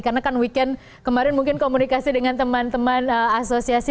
karena kan weekend kemarin mungkin komunikasi dengan teman teman asosiasi